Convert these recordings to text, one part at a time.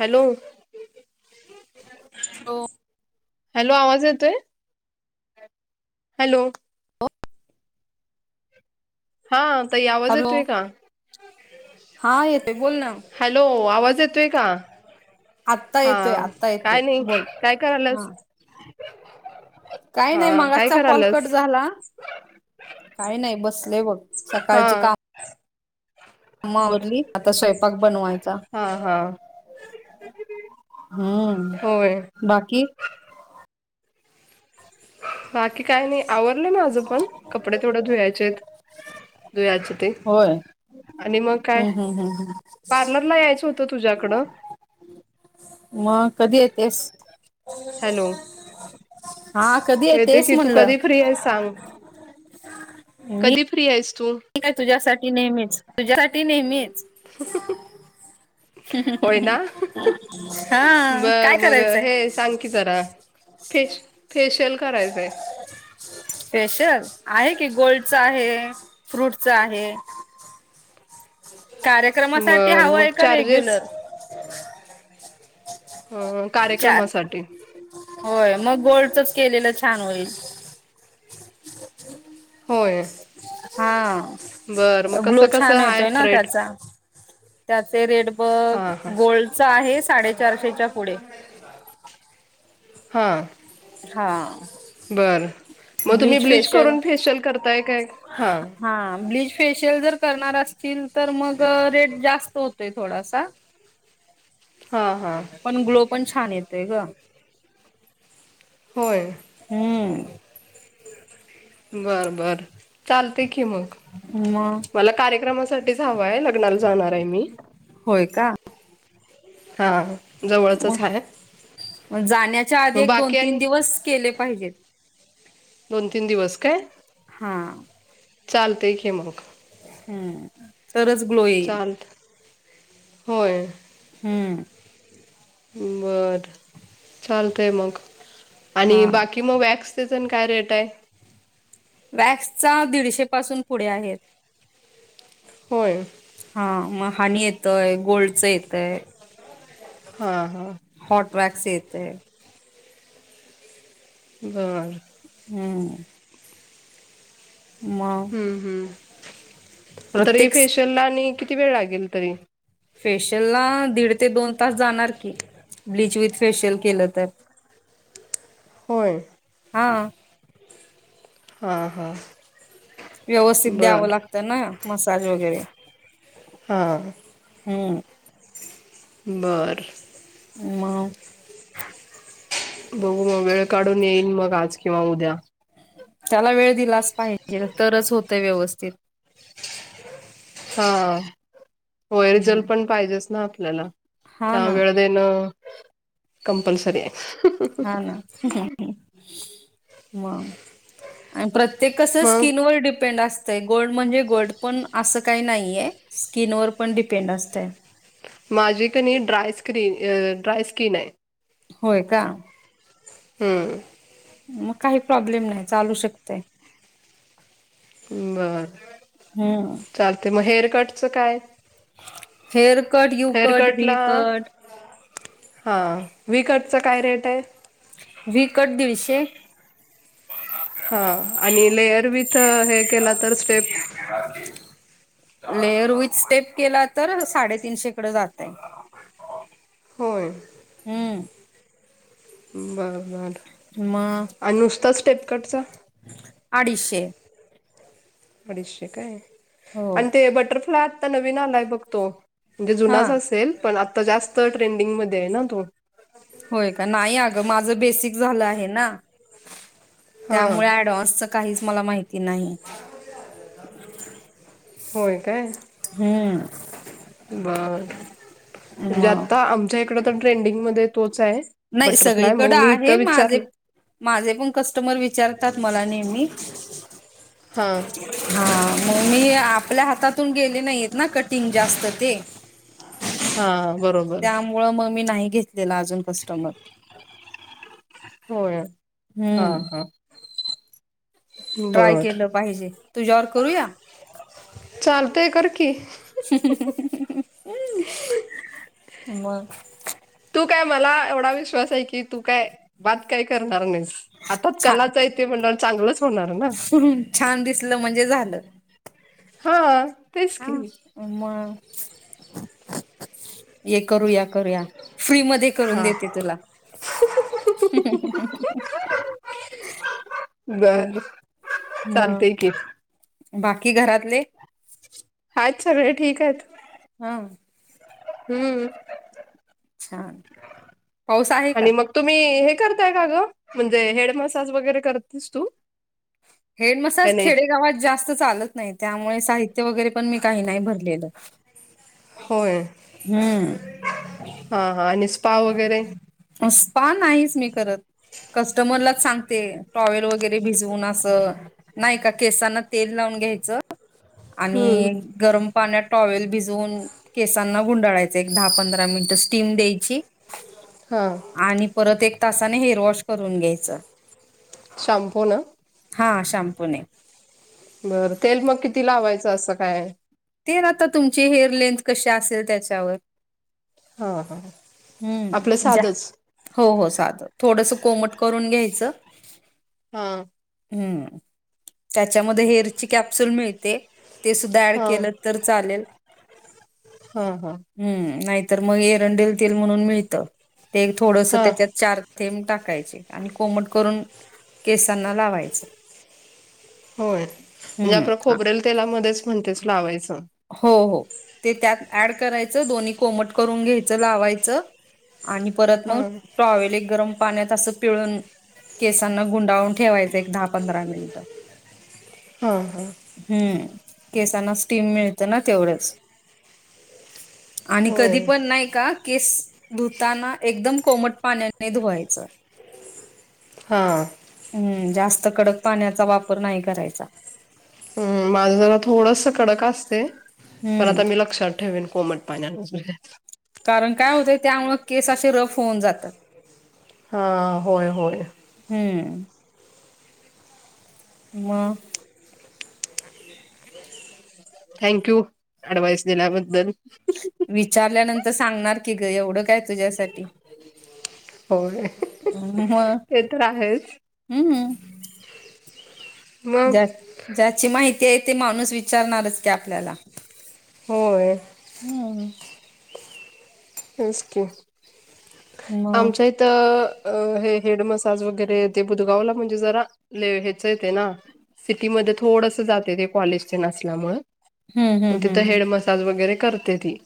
Hello. Hello hello आवाज येतोय hello. हाता इ. आ वज आहे हॅलो तु का. हा येतोय बोल ना हॅलो आवाज येतोय का. आत्ता येतोय हा आत्ता काय येतोय नाही बोल काय हा करायलस. काही नाही मागाचा कॉल कट झाला काही नाही बस. बघ हा सकाळची काम. अम्मा आवरली आता स्वयपाक बनवायच. हा हा होय हम्म बाकी. बाकी काय नाही आवरडले ना आज पण कपडे थोड धुयायचेत. दुयाचे ते होय आणि मग काय हम्म हम्म हम्म पार्लरला यायचं होतं तुझ्याकडं मग कधी येतेस. हॅलो. हा. कधी येते येतेस की तू म्हणलं कधी फ्री आहेस सांग? मी फ्रि आहेस तू? ठीक आहे तुझ्यासाठी नेहमीच, तुझ्यासाठी नेहमीच. [inaudible] होय ना हा काय बरं मग करायचंय हे सांग की जरा फेश फेशयल करायचं आहे. फेशयल आहे की गोल्डचं आहे, फ्रूटच आहे कार्यक्रमासाठी बर हवं मग आहे का चार्जेस रेग्युलर? अ चार कार्यक्रमासाठी. होय मग गोल्डचंच केलेलं छान होईल. होय. हा बरं मग कसं ग्लो कसं छान हाय येतोय ना रेट त्याचा. त्याचे रेट बघ हां हां गोल्डचा आहे, साडेचारशेच्या पुढे. हं हा बरं म तुम्ही ब्लीच करून, फेशियल करताय काय हा. फेशियल जर करणार असतील तर मग रेट जास्त होतोय थोडासा. हां हां पण ग्लो पण छान येतय गं. व्हय. हम्म. बरं बरं चालतंय की मग. मग मला कार्यक्रमासाठीच हवं आहे लग्नाला जाणार आहे मी. होय का हा. मग जाण्याच्या आधी मग एक दोन बाकी तीन आणि दिवस केले पाहिजेत. दोन तीन दिवस काय? हा चालतंय की मग. हम्म तरच ग्लो येईल चालतं होय. हम्म बरं. चालतंय मग आणि हा बाकी मग वॅक्सचंन काय रेट आहे? वॅक्स चा दीडशे पासून पुढे आहेत. होय. हा मग हनी येतंय गोल्डचं येतय हा हं हॉट वॅक्स येतंय. बरं. हम्म मग हम् हम् तरी प्रत्येक फेशियल ला आणि किती वेळ लागेल तरी? फेशियल ला दीड ते दोन तास जाणार की, ब्लीच विथ फेशियल केलं तर. होय. हा. हां हां. व्यवस्थित द्यावं बर लागतं ना मसाज वगैरे. हां हम्म बरं. मंग? बघू मगं वेळ काढून येईल मगं आज किंवा उद्या. त्याला वेळ दिलाच पाहिजेचं तरचं होतं व्यवस्थित. हा ओरिजनल पण पाहिजेच ना आपल्याला हा त्या ना वेळतं देणं कंपलसरी हाय. हा ना मग. आणि प्रत्येक ते कसं मग स्कीम वर डिपेंडअसतं. गोल्ड म्हणजे गोल्ड पण असं काही नाहीये. स्किन वर पण डिपेंड असतयं. माझी का नी ड्राय स्किन, ड्राय स्किन आहे. होय, का. हम्म. मगं काही प्रॉब्लेम नाही चालू शकते. बरं हम्म चालते मग, हेअरकटचं काय? Hair cut, U cut, V cut, हा वि कटच काय रेट आहे? वि कट दीडशे. हा आणि लेयर विथ हे केला तर स्टेप? ह [unintelligible] लेयर विथ स्टेप केला तर साडेतीनशे कडे जातयं. होय, हम्म, बरं बरं. मग आणि नुसता स्टेप कटचा अडीचशे. अडीशे काय हो आणि ते बटरफ्लाय आत्ता नवीन आलायं बघ तो. म्हणजे हा जुनाचं असेल पण आता जास्त ट्रेंडिंग मध्ये आहेना तो. होय का नाही अग माझं बेसिक झालं आहे ना हां त्यामुळे ॲडव्हान्स काहीचं मला माहिती नाही. [unintelligible] होय काय हम्म बरं. म्हणजे मग आता आमच्या इकडे तर ट्रेंडिंगमध्ये तोच आहे. नाही बटरफ्लाय मग सगळीकडे मी आहे इथं माझे विचारलं माझे पण कस्टमर विचारतात. मला नेहमी, हां, हा मग मी आपल्या हातातून गेली नाही ना कटिंग जास्त ते हा. बरोबर त्यामुळं मग मी नाही घेतलेलं अजून कस्टमर. होय, हा, हम्म हा. ट्राय बर केलं पाहिजे, तुझ्यावर करूया? चालतयं कर कि. मग. तू काय मला एवढा विश्वास आहे कि तू काय बात काय करणार नाहीसं. हातात छान कलाचं ते म्हणलं तर चांगलंच होणार ना. छान दिसलं म्हणजे झालं. हा. तेच हा की मग ये करूया, करूया फ्री मध्ये करून हा देते तुला. ह. बरं. म बाकी घरातले? आहेत सगळे ठीक आहेतं. हा. हम्म. छान, पाऊस आहे आणि का? मग तुम्ही हे करताय का ग म्हणजे हेड मसाज वगैरे करतेस तू? हेड काय मसाज नाही खेडेगावात जास्त- चालत नाही, त्यामुळे साहित्य वगैरे पण मी काही नाही भरलेलं. होय, हम्म हा हा आणि स्पा वगैरे स्पा नाहीच मी करत. कस्टमरलाच सांगते टॉवेल वगैरे भिजवून - अस नाही का केसांना तेल लावून घ्यायचं हम्म आणि- गरम पाण्यात टॉवेल भिजवून- केसांना गुंडाळायच एक दहा पंधरा मिनिटं स्टीम द्यायची. हां. आणि परत एक तासाने हेअर वॉश करून घ्यायचं. शाम्पू न? हा शॅम्पूनेे. बरं. तेल आता तुमची हेअर लेंथ कशी असेल त्याच्यावर. हा, हां, आपलं हम्म जा, साधंच हो हो साधं थोडस कोमट करून घ्यायचं. हा. हम्म, त्याच्यामध्ये हेअरची कॅप्सुल मिळते. ते सुद्धा ऍड हां केलं तर चालेल. हां हां हम्म, नाहीतर मग एरंडेल तेल म्हणून मिळतं ते थोडस हां त्याच्यात चार- थेंब टाकायचे, आणि कोमट करून केसांना लावायचं. होय, म्हणजे हम्म. आपलं आ खोबरेल तेलामध्येच म्हणतेस लावायचं. हो, हो ते त्यात ऍड करायचं दोन्ही कोमट करून घ्यायचं लावायचं. आणि परत मग हां टॉवेल एक गरम पाण्यात अस- पिळून, केसांना गुंडाळून ठेवायचा एक दहा पंधरा मिनिटं. हा, हा, हम्म, केसांना स्टीम मिळत ना तेवढंच. हो [inaudible] आणि, कधी पण नाही का केस- धुताना एकदम कोमट पाण्याने धुवायचं. हा. हम्म, जास्त कडक पाण्याचा वापर नाही करायचा. हम माझं जरा थोडंस कडक असतय, पण हम्म आता मी लक्षात ठ- ठेवेन, कोमट पाण्या- कारण काय होतंय, त्यामुळं केस असे रफ होऊन जातात. हा, होय, होय. हम्म. म- थँक्यू, अऍडवाइस दिल्याबद्दल. विचारल्यानंतर सांगणार की ग एवढं काय तुझ्यासाठी होय ह, ते तर हम्म, आहेच. हम् मग ज ज्याची माहिती आहे ते माणूस विचारणारच की आपल्याला. होय. हम्म. तेच की, मग आमच्या - आ हेड मसाज वगैरे ते बुदगावला म्हणजे जरा- ले हेच येतय ना सिटीमध्ये थोडस जातय ते पॉलिश तेन असल्यामुळं हम्म - हम्म हम्म तिथ हम्म. हेड मसाज वगैरे करते ती.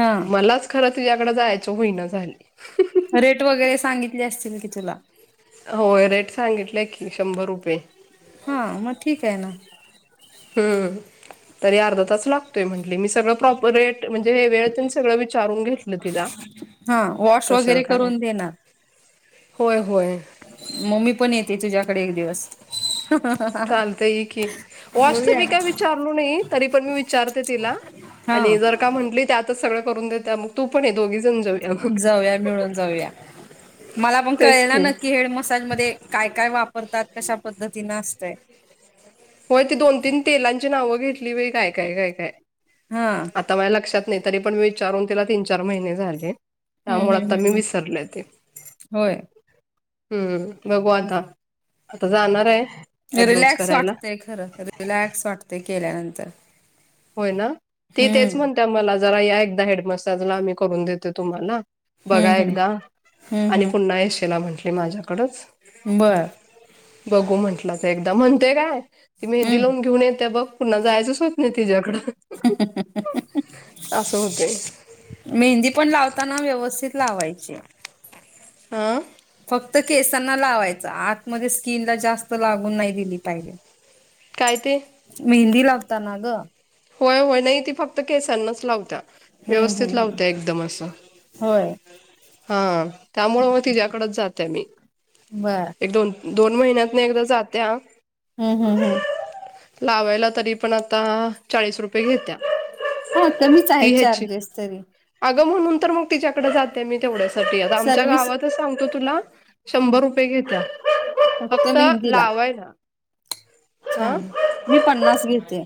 हा मलाच- खरं तिच्याकडं जायच होईना झालय. रेट वगैरे सांगितले असतील की तुला. होय रेट सांगितलंय की, शंभर रुपये. हा, मग ठीक आहे ना. ह, तरी अर्धा तास लागतो. तोय म्हंटले मी सगळं प्रॉपर रेट म्हणजे हे वेळे तेन सगळं विचारून घेतलं तिला. हा वॉश कसं वगैरे काय करून देणार. होय होय. म मी पण येते तुझ्याकडे एक दिवस. [unintelligible] चालतंय ये की वॉशच बोलूया मी ना. काय विचारलो नाही तरी पण मी विचारते तिला. हा. आणि जर का म्हटली त्यातच सगळं करून देत्या मग तू पण ये दोगीजन जा जाऊया मिळून जाऊया मला पण तेच कळेल ना की नक्की हेड मसाज मध्ये काय काय वापरतात कशा पद्धतीनं असतंय. होय ती दोन तीन तेलांची नावं घेतली बाई काय काय काय काय. हा. आता माझ्या लक्षात नाही तरी पण मी विचारून तिला तीन चार महिने झाले हम्म त्यामुळं हम्म आता मी हम्म हम्म विसरले ते. होय. हम्म बघू आता, आता जाणाराय. रील्याक्स वाटते खरं रील्याक्स वाटते केल्यानंतर. होय ना, ती तेच हम्म. म्हणत्या मला जरा या एकदा हेड मसाजला आम्ही करून देतो तुम्हाला. बघा हम्म हम्म एकदा हम्म आणि हम्म पुन्हा येशला म्हटली माझ्याकडंच. बर. बघू म्हटलं ता एकदा म्हणतोय काय ती मेहंदी हम्म लावून घेऊन येत्या बघ पुन्हा जायचच होत नाही तिच्याकडं आसं होतय. मेहंदी पण लावताना व्यवस्थित लावायची. हां? फक्त केसांना लावायचं आतमध्ये स्किनला जास्त लागून नाही दिली पाहिजे. काय ते? मेहंदी लागता ना गं. होय होय नाही ती फक्त केसांनाच लावत्या. हम्म हम्म व्यवस्थित हम्म लावत्या एकदम असं. होय हा त्यामुळं म तिज्याकडचं जात्या मी. बर. एक दोन दोन महिन्यातनं एकदा जात्या. हम्म हम्म हम्म. लावायला तरी पण आता चाळीस रुप पय घेत्या हा कमीच आहे ती हेची चार्जेस तरी अगं म्हणून तर मग तिच्याकडं जा तय मी तेवढ्यासाठी आता आमच्या सर्विस गावातच सांगतो तुला शंभर हम्म रुपये घेत्या. फक्त लावायला. हा छान, मी पन्नास घेते.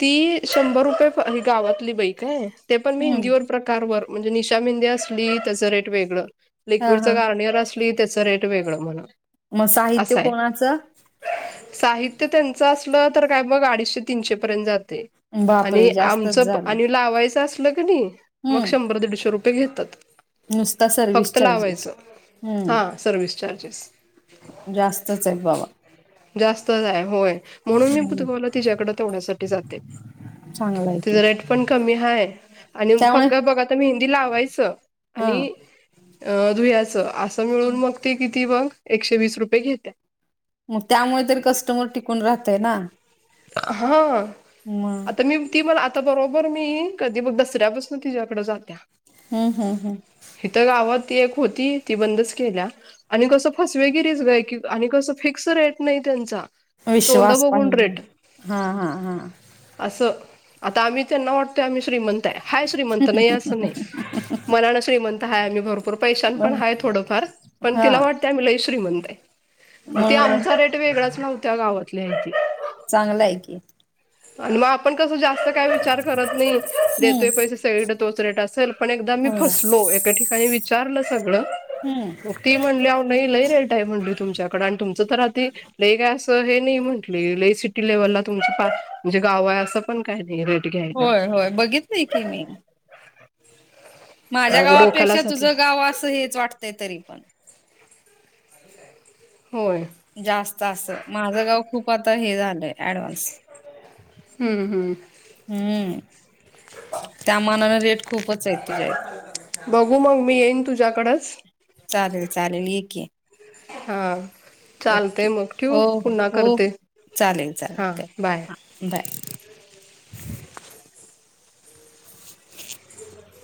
ती शंभर रुपये गावातली बाई काय ते पण मी हम्म हिंदीवर प्रकारवर म्हणजे निशा मेंदी असली त्याच रेट वेगळं हा हा लिक्विडचं गार्णीयर अस ली त्याच रेट वेगळं म्हण. म साहित्य कोणाचं? साहित्य त्यांच असलं तर काय बघ अडीशे तीनशे पर्यंत जा तय आणि बापरे जास्तच आमचं प झालं आणि लावायचं असलं कणी मग हम्म शंभर दीडशे रुप पय घेतात, नुसता सर्विस फक्त चार्जेस लावायचं हा सर्विस चार्जेस. जास्तचेत बाबा. जास्तच हाय होय म्हणून मी [unintelligible] तिच्याकडं तेवड्यासा ठी जातंय चांगला आहे त्याच की रेट पण कमी हाय आणि त्यामुळे फक बगत आता मेहंदी लावायचं हा आणि अ धुयाचं असं मिळून मग ते किती बघ एकशे वीस रुपये घेत्या. मग त्यामुळे तरी कस्टमर टिकून राहतय ना [unintelligible] हा मग आता मी [unintelligible] ती मला आता बरोबर मी कधी मग दसऱ्यापसून तिच्या्याकड जात्या [unintelligible] हम्म हम् हम् [unintelligible] इथं गावात ती एक होती ती बंदच केल्या [unintelligible] आणि कसं फसवेगिरीेच गय की आणि कसं फिक्स रेट नाही त्यांचा [unintelligible] तोंड विश्वास बोघं पाहिजे रेट [unintelligible] हा हा हा [unintelligible] असं आता आम्ही त्यांना वाटतोय आम्ही श्रीमंत आहे हाय श्रीमंत नाही असं नाही [unintelligible] मनानं श्रीमंत हा आम्ही भरपूर पैशां पण बर. आहेय थोडंफार पण हा तिला वाटते आमहीलाही श्रीमंत आहे त म्हणून आमचा रेट वेगळाच नव्हत्या गावातल्याची [unintelligible] चांगलंय की [unintelligible] आणि मग आपण कसं जास्त काय विचार करत नाही [unintelligible] हम्म देतोय पैसे सगळीडे तोचरेट असेल पण एकदा मी होय फसलो एका ठिकाणी विचारलं सगळं हम्म [unintelligible] मग ती म्हणली नाही लई रेटय म्हणली तुमच्याकडं आणि तुमचं तर आधी [unintelligible] लई काय असं हे नाही म्हटली लई सिटी लेव्हलला तुमच म्हणजे गाव आहे असं [unintelligible] पण काही नाही रेट घ्यायला होय होय बघितलंय की मी [unintelligible] माझ्या अगं गावापेक्षा डोक्यालाच हात तुझं गाव असं हेच वाटतंय तरी पण [unintelligible] होय [unintelligible] जास्त असं माझं गाव खूप आता हे झालंय ऍडव्हान्स [unintelligible] हम्म हम्म [unintelligible] हम्म त्या मानान रेट खूपच आहे तुझ्यात [unintelligible] बघू मग मी येईन तुझ्याकडेच [unintelligible] चालेल चालेल एके [unintelligible] हा [unintelligible] चालते मग ठेव हो हो पुन्हा हो करते चालेल चालेल हा कर बाय [unintelligible] बाय [unintelligible] [unintelligible] [unintelligible] [unintelligible] [unintelligible]